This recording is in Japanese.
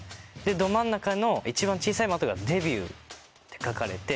ど真ん中の一番小さい的が「デビュー」って書かれて。